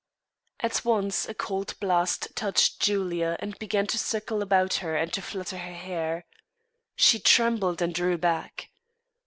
At once a cold blast touched Julia and began to circle about her and to flutter her hair. She trembled and drew back.